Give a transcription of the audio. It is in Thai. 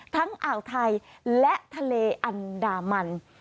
อ่าวไทยและทะเลอันดามัน